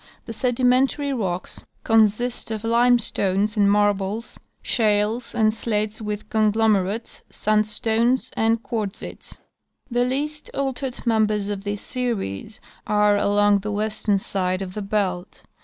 The sedimentary rocks consist of limestones and marbles, shales and slates with conglomerates, sandstones and quartzites. The least altered members of this series are along the western side of the belt.